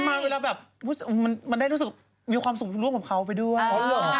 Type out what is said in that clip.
ใช่มันมาเวลาแบบมีความสุขร่วงของเขาไปด้วย